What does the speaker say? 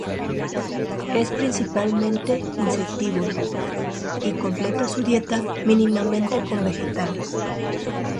Es principalmente insectívoro, y completa su dieta mínimamente con vegetales.